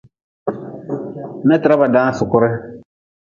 Metra ba daan sukure.